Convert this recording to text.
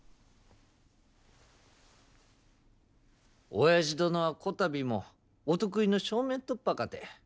オヤジ殿はこたびもお得意の正面突破かて。